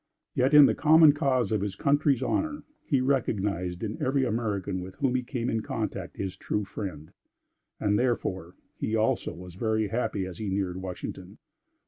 Yet, in the common cause of his country's honor, he recognized in every American with whom he came in contact his true friend, and therefore he, also, was very happy as he neared Washington.